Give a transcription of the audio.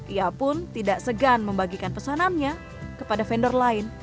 ia pun tidak segan membagikan pesanannya kepada vendor lain